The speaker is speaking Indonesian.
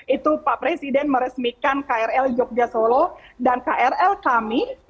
itu pak presiden meresmikan krl jogja solo dan krl kami